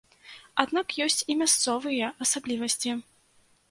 Аднак ёсць і мясцовыя асаблівасці.